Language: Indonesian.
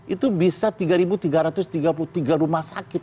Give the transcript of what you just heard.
itu bisa tiga tiga ratus tiga puluh tiga rumah sakit